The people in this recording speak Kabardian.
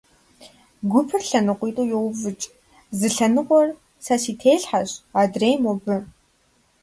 Гупыр лъэныкъуитӀу йоувыкӀ, зы лъэныкъуэр сэ си телъхьэщ, адрейр — мобы.